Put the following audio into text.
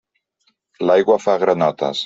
L'aigua fa granotes.